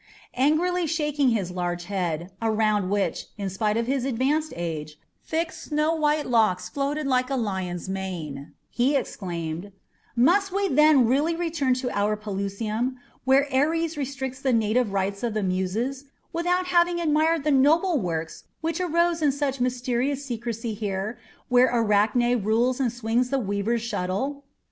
Angrily shaking his large head, around which, in spite of his advanced age, thick snowwhite locks floated like a lion's mane, he exclaimed, "Must we then really return to our Pelusium, where Ares restricts the native rights of the Muses, without having admired the noble works which arose in such mysterious secrecy here, where Arachne rules and swings the weaver's shuttle?"